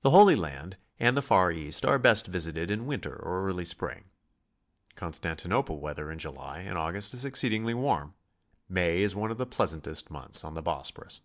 The Holy Land and the Far East are best visited in winter or early spring. Constantinople weather in July and August is exceedingly warm; May is one of the pleasantest months on the Bosporus.